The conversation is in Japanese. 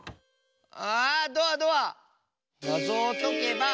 あドアドア！